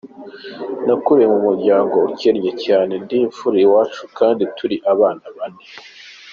Nakuriye mu muryango ukennye cyane, ndi imfura iwacu kandi turi abana bane.